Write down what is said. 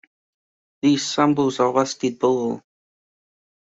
These symbols are listed below.